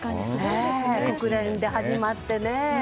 国連で始まって。